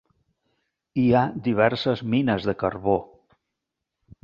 Hi ha diverses mines de carbó.